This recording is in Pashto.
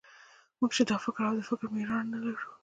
موږ چې د کار او د فکر مېړانه نه لرو.